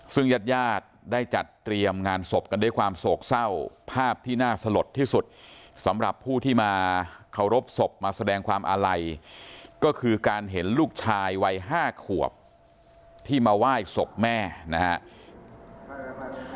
ซึ่งญาติญาติได้จัดเตรียมงานศพกันด้วยความโศกเศร้าภาพที่น่าสลดที่สุดสำหรับผู้ที่มาเคารพศพมาแสดงความอาลัยก็คือการเห็นลูกชายวัย๕ขวบที่มาไหว้ศพแม่นะครับ